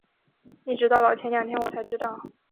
一直到了前两天我才知道